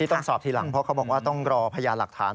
ต้องสอบทีหลังเพราะเขาบอกว่าต้องรอพยานหลักฐาน